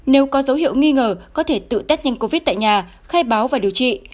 nếu có dấu hiệu nghi ngờ có thể tự test nhanh covid tại nhà khai báo và điều trị